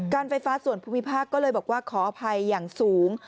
ไฟฟ้าส่วนภูมิภาคก็เลยบอกว่าขออภัยอย่างสูง